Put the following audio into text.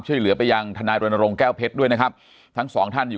ช่วยเหลือไปยังทนายรณรงค์แก้วเพชรด้วยนะครับทั้งสองท่านอยู่